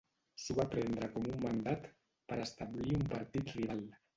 S'ho va prendre com un mandat per establir un partit rival.